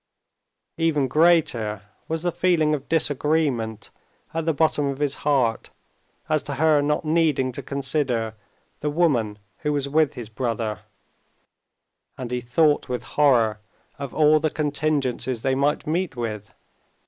Even greater was the feeling of disagreement at the bottom of his heart as to her not needing to consider the woman who was with his brother, and he thought with horror of all the contingencies they might meet with.